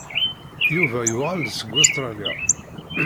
Yuba yuɣal-d seg Ustṛalya.